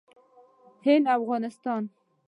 هند او افغانستان